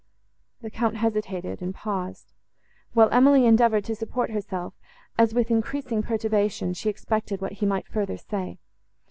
The Count hesitated and paused; while Emily endeavoured to support herself, as, with increasing perturbation, she expected what he might further say.